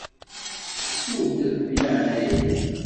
Ssu-d, deg leɛnaya-k.